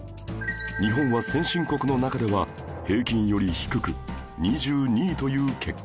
日本は先進国の中では平均より低く２２位という結果に